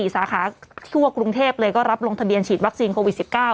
สาขาทั่วกรุงเทพเลยก็รับลงทะเบียนฉีดวัคซีนโควิด๑๙